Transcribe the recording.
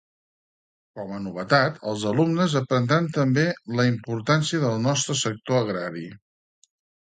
Com a novetat, els alumnes aprendran també la importància del nostre sector agrari.